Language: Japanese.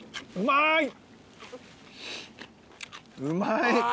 うまい！